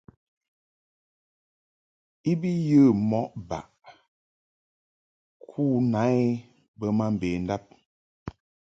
I bi yə mɔʼ baʼ ku na I bə ma mbendab.